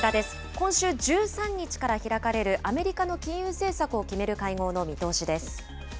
今週１３日から開かれる、アメリカの金融政策を決める会合の見通